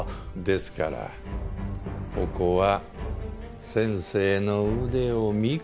ですからここは先生の腕を見込んで。